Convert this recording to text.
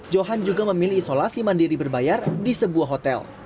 johan juga memilih isolasi mandiri berbayar di sebuah hotel